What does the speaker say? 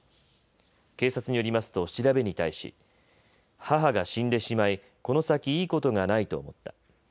警察によりますと、調べに対し母が死んでしまい、この先いいことがないと思った。